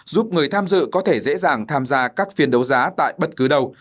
giúp người tham dự có thể dễ dàng tham gia các phiên đấu giá tại bất cứ đâu